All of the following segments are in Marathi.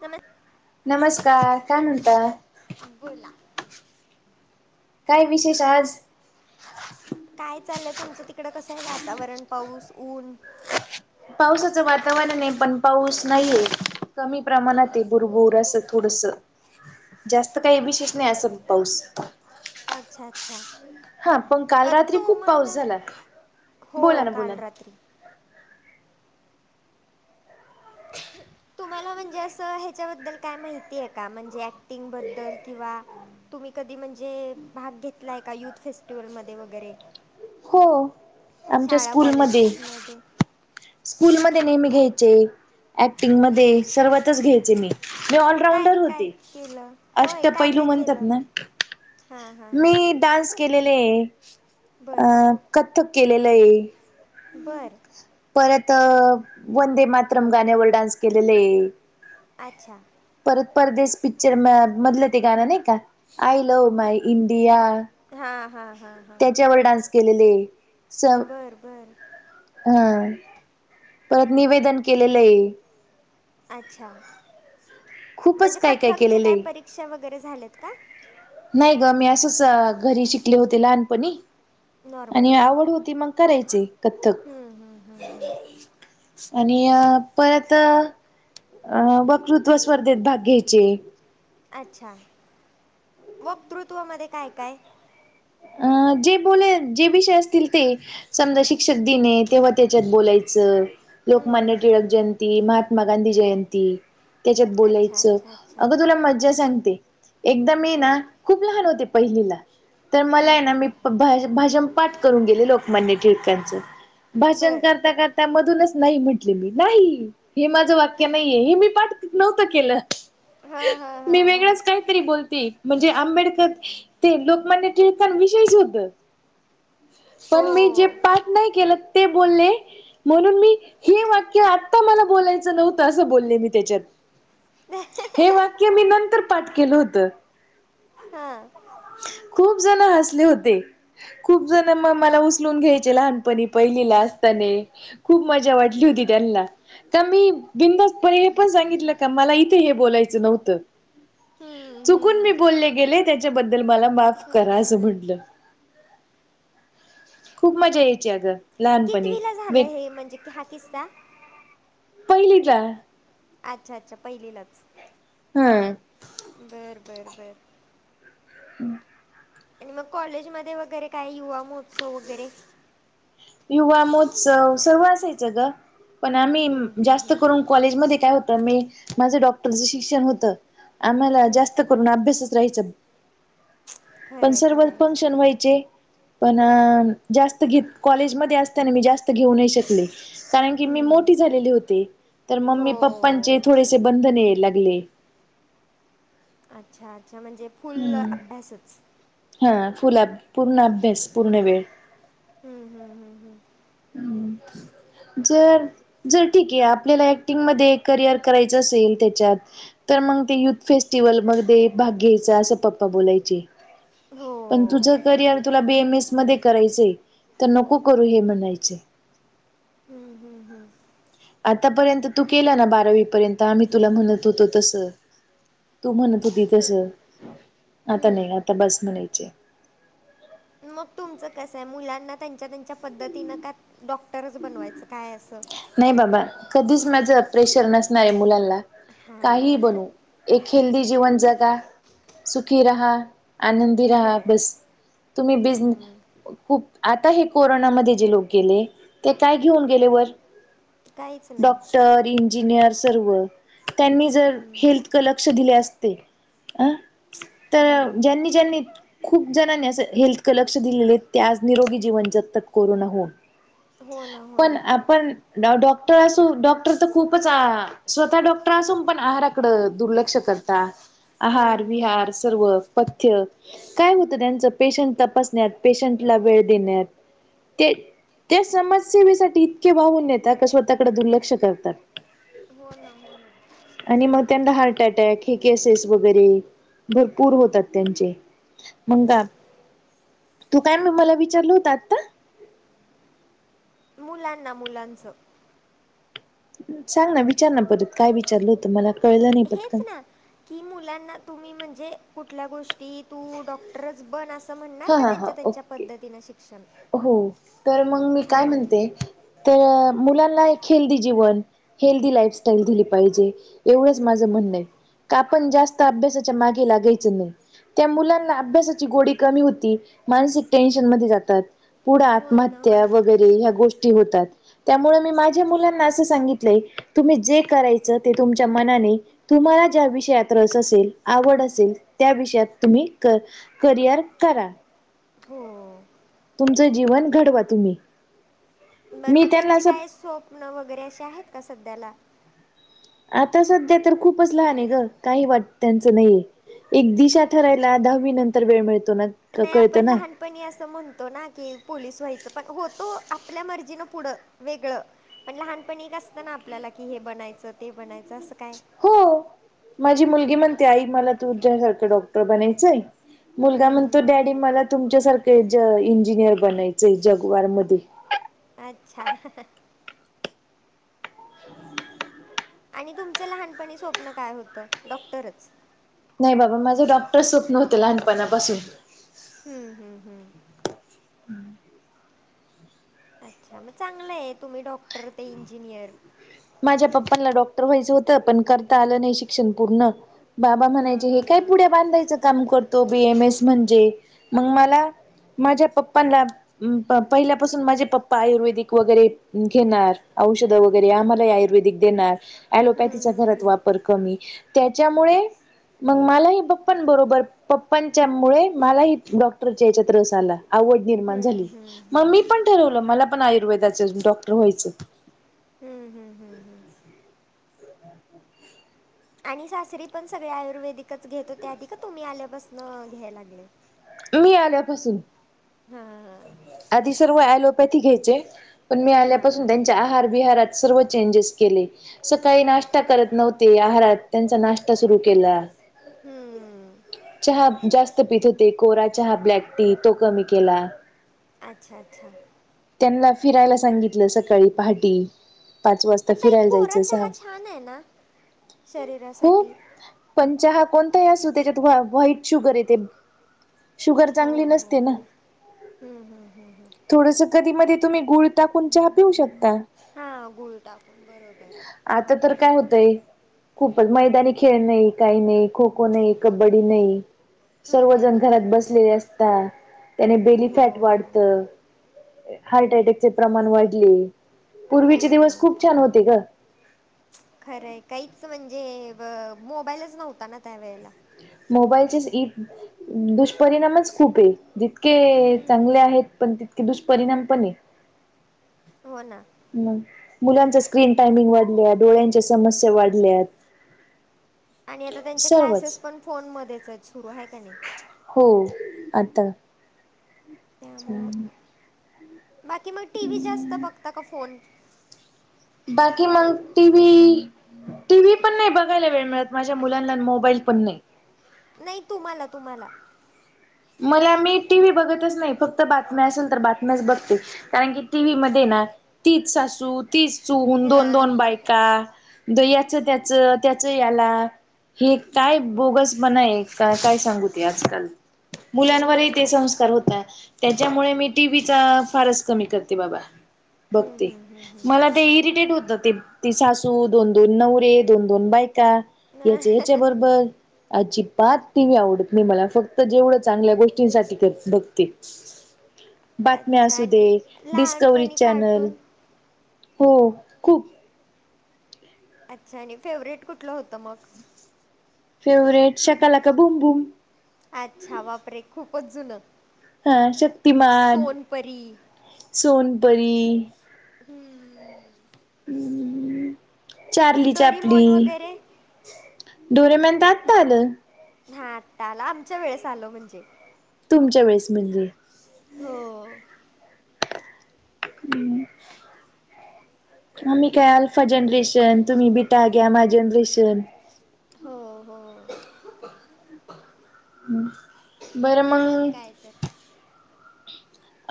तम नमस्कार काय म्हणता? बोला. काय विशेष आज काय चाललंय तुमचं तिकड कसं आहे वातावरण पाऊस ऊन? पावसाचं वातावरण आहे पण पाऊस नाहीये कमी प्रमाणात ते भुरभुर अस थोडस, जास्त काही विशेष नाही असं पाऊस अच्छा अच्छा हा, पण काल अ रात्री खूप पाऊस तुम्हाला झाला. हो बोला ना बोला काल ना. रात्री तुम्हाला म्हणजे असं ह्याच्याबद्दल काय माहिती आहे का म्हणजे ऍक्टिंग बद्दल किंवा तुम्ही कधी म्हणजे भाग घेतलाय का युथ फेस्टिवलमध्ये वगैरे? हो आमच्या शाळा स्कूलमध्ये कॉलेजेसमध्ये स्कूलमध्ये नेहमी घ्यायचे ऍक्टिंग मध्ये सर्वातच घ्यायचे मी मी मग काय ऑलराऊंडर काय होती केलं होय अष्ट काय पैलू काय म्हणतात केलं ना हां हां हां मी डान्स केलेले आहे बरं अह कथ्थक केलेलं आहे बरं. परत वंदे मातरम गाण्यावर डान्स केलेले अच्छा. परत परदेस पिक्चर मधलं ते गाणं नाही का, आय लव्ह माय इंडिया हां हां हां हां त्याच्यावर डान्स केलेले, स बरं बरं हा परत निवेदन केलेलं आहे. अच्छा खूपच म्हणजे काय कथ्थकचे केलेलं काय आहे परीक्षा वगैरे झाल्यात का? नाही ग मी असंच घरी शिकले होते लहानपणी आणि नॉर्मली आवड होती मग करायचे कथक. हम्म हम्म हम्म हम्म आणि अ परत अह वक्तृत्व स्पर्धेत भाग घ्यायचे अच्छा वक्तृत्वमध्ये काय काय? अह जे बोले जे विषय असतील ते समजा शिक्षक दीन आहे तेव्हा त्याच्यात बोलायचं हम्म लोकमान्य हम्म टिळक हम्म हम्म जयंती, महात्मा गांधी जयंंती त्याच्यात अच्छा बोलायचं अच्छा अच्छा अगं तुला मज्जा सांगते एकदा मी हां ना खूप लहान होते पहिलीला तर मला आहे ना हम्म मी भा भाषण पाठ करून गेले लोकमान्य ठिळकांच भाषण बर करता कर त्यामधूनच नाही म्हटले मी नाही हे माझं वाक्य नाहीये हे मी पाठ नव्हतं केलं. हा हा हा मी हा वेगळंच काहीतरी बोलते, म्हणजे आंबेडकर ते लोकमान्य टिळकांविषयीच होत हो पण मी जे पाठ के नाही केल ते बोलले म्हणून मी हे वाक्य आता मला बोलायचं नव्हतं असं बोलले मी त्याच्यात हे वाक्य मी नंतर पाठ केलं होतं हां खूप जण हसले होते. खूप जण मग मला उचलून घ्यायचे लहानपणी पहिलीला असताने खूप मजा वाटली होती हं. त्यांनला. का मी बिनधासपणे हे पण सांगितलं का, मला इथे हे बोलायचं नव्हतं. हम्म चुकून मी हम्म बोलले गेले त्याच्याबद्दल, मला माफ खरं करा आहे असं ना म्हटलं. खूप मजा यायची अगं. लहानपणी कितवीला झालं, वेग हे म्हणजे हा किस्सा? पहिलीचा. अच्छा, अच्छा पहिलीलाच. हम्म. बरं, बरं, बरं. हम [inaudible] आणि मग कॉलेजमध्ये वगैरे, काय युवा महोत्सव वगैरे? युवा महोत्सव सर्व असायचं ग, पण आम्ही हम्म हम्म जास्त हम्म करून- कॉलेजमध्ये काय होतं मी, माझं डॉक्टरचं शिक्षण होत. आम्हाला हम्म जास्त करून अभ्यासच राहायचा. पण खरंय सर्वत खरंय फंक्शन व्हायचे, पण जास्त घे- कॉलेजमध्ये असताना मी जास्त घेऊ नाही शकले. कारण की, मी हम्म मोठी झालेली होती, तर हो मम्मी पप्पांचे थोडेसे बंधन यायला लागले. अच्छा, अच्छा, म्हणजे फुल्ल हम्म अभ्यासच. हा, फुल अ पूर्ण अभ्यास पूर्ण वेळ. हं, हं, हं, हम्. हम [inaudible] जर जर ठीक आहे, आपल्याला ऍक्टिंग मध्ये करिअर करायचं असेल त्याच्यात- तर मग ते युथ फेस्टिवल मध्ये भाग घ्यायचा, असं पप्पा बोलायचे. हो पण तुझं करिअर तुला बीएमएस मध्ये करायचंय, तर नको करू हे म्हणायच. [inaudible] हं, हं, हम्म. आतापर्यंत तू केला ना बारावीपर्यंत, आम्ही तुला म्हणत होतो तसं. तू म्हणत होती तसं, आता नाही हम्म आता बस म्हणायची. मग तुमचं कसं आहे, मुलांना त्यांच्या, त्यांच्या पद्धतीनं का- डॉक्टरच बनवायचं, काय असं? नाही बाबा, कधीच माझं प्रेशर नसणार आहे मुलानला काहीही हां बनू. एक हेल्दी जीवन जगा, सुखी रहा, आनंदी रहा, खरं आहे बस. तुम्ही हम्म बिझ- खूप आता हे कोरोनामध्ये जे लोक गेले, ते काय घेऊन गेले वर? काहीच नाही. डॉक्टर इंजिनियर सर्व, त्यांनी जर हम्म हेल्थकल लक्ष दिले असते- अं तर ज्यांनी, हम्म ज्यांनी- खूप जणांनी असं हेल्थक लक्ष दिलेले, ते आज निरोगी जीवन जगतात कोरोना होऊन. हो ना, हो पण ना. आपण डॉक्टर असू, डॉक्टर तर खूपच आ.. स्वतः डॉक्टर असून पण आहाराकड दुर्लक्ष करत- तात, आहार, बिहार हम्म सर्व पथ्य- काय म्हणत त्यांचं, पेशंट तपासण्यात पेशंटला वेळ देण्यात. ते ते समजसेवेसाठी इतके वाहून येत- त्यात स्वतःकडे दुर्लक्ष करतात. लाग ना [inaudible] आणि मग त्यांना हार्ट अटॅक हे केसेस वगैरे भरपूर होतात त्यांचे. म का तू काय मला विचारलं होत आता. मुलांना मुलांचं सांग ना विचार ना परत काय विचारलं होतं मला. कळलं नाही हेच पटकन ना की मुलांना तुम्ही म्हणजे कुठल्या गोष्टी ती तू डॉक्टरच बन असं म्हणणार हा का हा हा त्यांच्या त्यांच्या ओके पद्धतीनं शिक्षण. हो तर मग मी काय हम्म, म्हणते तर मुलांना एक हेल्दी जीवन हेल्दी लाईफस्टाईल दिली पाहिजे एवढंच माझं हम्म. म्हणणं आहे. का आपण जास्त अभ्यासाच्या मागे लाग्यायचं नाही. त्या मुलांना अभ्यासाची गोडी कमी होती मानसिक टेन्शन मध्ये जातात. पुढे होय ना आत्महत्या होय ना वगैरे ह्या गोष्टी होतात त्यामुळे मी माझ्या मुलांना असं सांगितलंय तुम्ही जे करायचं ते तुमच्या मनाने तुम्हाला ज्या विषयात रस असेल आवड असेल त्या विषयात तुम्ही कर. करिअर करा. हो. तुमचं जीवन घडवा तुम्ही. बरं मी मग त्यांना त्यांचे असं काय स्वप्न वगैरे असे आहेत का सध्याला. आता सध्या तर खूपच लहान आहे ग काही वाट त्यांचं नाहीे. एक दिशा ठरायला दहावी नंतर वेळ मिळतो ना. नाही आपण कळतं ना. लहान पण असं म्हणतो ना की पोलीस व्हायचं पण होतो आपल्या मर्जीनं पुढं वेगळं. पण लहानपण एक असतं ना आपल्याला की हे बनायचं ते बनायचं असं काय? हो माझी मुलगी म्हणते आई मला तुझ्यासारखं डॉक्टर बनायचंय. मुलगा म्हणतो हम्म डॅडी मला तुमच्यासारखं इंजिनियर बनायचंय जगवार मध्ये. अच्छा हा हा. आणि तुमचं लहानपणी स्वप्न काय होतं डॉक्टरच? नाही बाबा माझं डॉक्टर स्वप्नव होतं लहानपणापासून. हम्म हम्म हम्म. अच्छा मग चांगलं आहे तुम्ही डॉक्टर ते इंजिनियर. माझ्या पप्पाला डॉक्टर व्हायचं होतं पण करता आलं नाही शिक्षण पूर्ण बाबा म्हणायचे हे काय पुढ्या बांधायचं काम करतो बीएम एस म्हणजे मग मला माझ्या पप्पांला पहिल्यापासून माझे पप्पा आयुर्वेदिक वगैरे घेणार औषध वगैरे आ्हा. लय ऐवरदीक देणार हं, आणि हं, घरात हं. वापर कमी त्याच्यामुळे मग मलाही पप्पा न बरोबर पप्पांच्या मु ळे मलाही डॉक्टरच्या याच्यात रस आला आवड निर्माण हं, झाली हं, मग हं. मी पण ठरवलं मला पण आयुर्वेदाच डॉक्टर व्हायचं हम हम हम. आणि सासरी पण सगळे आयुर्वेदिकच घेतो त्याआधी का तुम्ही आल्यापासून घ्यायला लागले? मी आल्यापासून हां, आधी सर्व ऐलोपथी घ्यायचे पण मी हां, आल्यापासून हां. त्यांच्या आहार विहारात सर्व चेंजेस केले सकाळी नाष्टा करत नव्हती आहारात त्यांचा नाष्टा सुरू केला हम चहा जास्त पित होते कोरा चहा ब्लॅक टी तो कमी केला अच्छा अच्छा त्यांना ला फिरायला सांगितलं सकाळी पहाटी पाच पण वाजता तई फिरायला कोरा जायचं सहा चहा छान आहे ना हो शरीरासाठी पण चहा कोणताही असू त्याच्यात व्हा व्हाईट शुगर येते शुगर हो चांगली हो नसते ना हो हुम्म हुम्म हुम् हुम् थोडस कधी मध्ये तुम्ही गुळ टाकून चहा पिऊ शकता हा गुळ टाकून बरोबर आहे आता तर काय होतंय खूपच मैदानी खेळ नाही काही नाही खो खो नाही कबड्डी न ई खरं आहे सर्वजण ना, घरात खरं आहे बसलेले ना. असतात त्याने हो, बेलीफॅट वाढत ए हार्ट अटॅकचे प्रमाण वाढले पूर्वीचे दिवस हो. खूप छान होते ग. खरंय काहीच म्हणजे ब मोबाईलच नव्हता ना त्यावेेळेला मोबाईलचे ईत दुष्परिणामच खूप आहे जितके ऐ चांगले आहेत हम्म. पण तितके दुष्परिणाम पण हे हो ना हु मुलांच्या स्क्रीन टायमिंग वाढल्या डोळ्यांच्या समस्या वाढल्यात आणि आता त्यांचे क्लासेस सर्वच पण फोन मध्येचच सुरू आहे काय क नी हो आता त्यामुळं हुमं बाकी मग टी व्ही जास्त बघता का फोन बाकी मग टी व्ही टी व्ही पण नाही बघायला वेळ मिळत माझ्या मुलांना मोबाईल पण नाही. नयी तुम्हाला तुम्हाला मग मी टी व्ही बघतच नाही फक्त बातम्या असेल तर बातम्याच बघते कारण की टीव्ही मध्ये ना तीच सासू तीच सुन दोन हा. दोन बायका द याच त्याचं त्याच याला हे काय बोगस पण आहे का काय सांगू ते आजकाल हो. मुलांवरही ते संस्कार होत त्याच्यामुळे मी टी व्ही चा फारच कमी करते बा बा हम्म, बघते हम्म, हम्म, हम्म. मला ते इरिटेट होत जा ते ती सासू दोन दोन नवरे दोन दोन बायका याचे याच्या बरोबर अजिबात ती व्ही आवडत नाही मला फक्त जेवढं चांगल्या गोष्टींसाठी क बघते बातम्या अच्छा असू दे आणि डिस्कवरी लहानपणी चॅनल कार्टून हो खूप अच्छा आणि फेवरेट कुठलं होतं मग फेवरेट शकाल का भूम बूम अच्छा वापरे खूपच जुनं हा शक्तिमान सोनपरी सोनपरी हुम्म हु हु चार्ली चापली डोरीमोन वगैरे डोरेमॉन तर आत्ता आलय हा आता आला आमच्या वेळेस आलो म्हणजे तुमच्या वेळेस म्हणजे हो हम्म आम्ही काय अल्फा जनरेशन तुम्ही बिटा ग्यामाह जनरेशन हो हो हम् मग काय तर.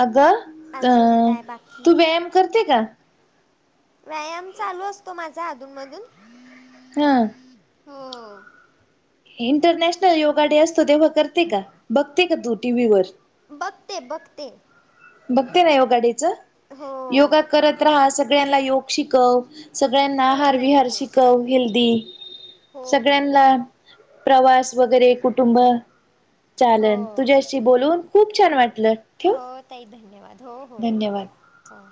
अग अ अजून काय तू बाकी व्यायाम करती का. व्यायाम चालू असतो माझा आधूनमधून. हा, हो, इंटरनॅशनल योगा डे असतो तेव्हा करते का बघते का तू टीव्ही वर. बघते बघते. बघते ना योगा डे च हो योगा करत राहा सगळ्यांना योगा शिकव. सगळ्यांना हो आहार ताई विहार हो शिकव हेल्दी. हो हो हो सगळ्यांना प्रवास वगैरे कुटुंब चालन हो तुझ्याशी. बोलून खूप छान वाटलं. ठेवू हो ताई धन्यवाद हो हो हो धन्यवाद. हो.